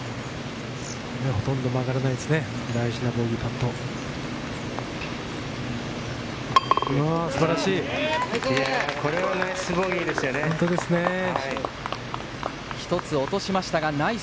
ほとんど曲がらないです素晴らしい！